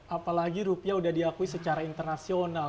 apalagi rupiah sudah diakui secara internasional